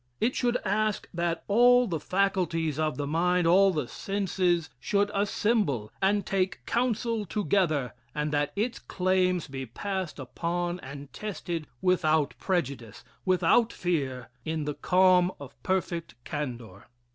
It should ask that all the faculties of the mind, all the senses, should assemble and take counsel together, and that its claims be passed upon and tested without prejudice, without fear, in the calm of perfect candor.